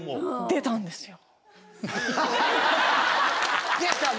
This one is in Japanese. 出たんですよ。